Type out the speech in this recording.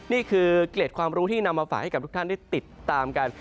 นี่คือเกล็ดความรู้ที่นำมาฝากให้กับทุกท่านได้ติดตามกัน